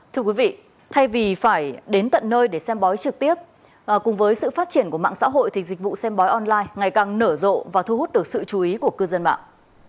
thưa quý vị thay vì phải đến tận nơi để xem bói trực tiếp cùng với sự phát triển của mạng xã hội thì dịch vụ xem bói online ngày càng nở rộ và thu hút được sự chú ý của cư dân mạng